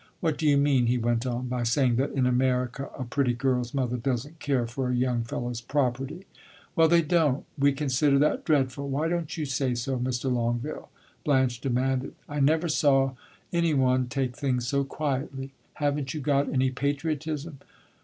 "What do you mean," he went on, "by saying that in America a pretty girl's mother does n't care for a young fellow's property?" "Well, they don't we consider that dreadful. Why don't you say so, Mr. Longueville?" Blanche demanded. "I never saw any one take things so quietly. Have n't you got any patriotism?"